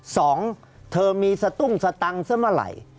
สองเธอมีสะตุ้งสะตังสะมาร่าย